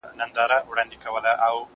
زه به اوږده موده کالي وچولي وم!؟